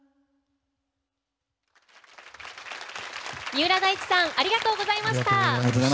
三浦大知さんありがとうございました。